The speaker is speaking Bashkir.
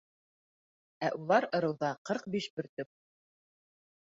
Ә улар ырыуҙа ҡырҡ биш бөртөк.